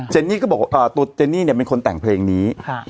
เนนี่ก็บอกตัวเจนนี่เนี่ยเป็นคนแต่งเพลงนี้